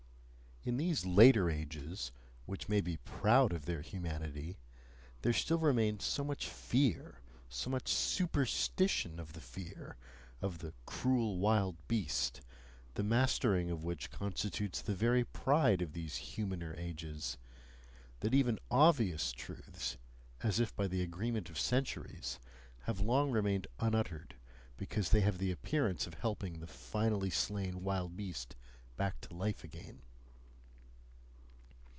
In these later ages, which may be proud of their humanity, there still remains so much fear, so much SUPERSTITION of the fear, of the "cruel wild beast," the mastering of which constitutes the very pride of these humaner ages that even obvious truths, as if by the agreement of centuries, have long remained unuttered, because they have the appearance of helping the finally slain wild beast back to life again.